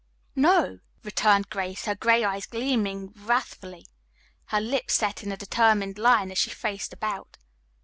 "No," returned Grace, her gray eyes gleaming wrathfully, her lips set in a determined line as she faced about.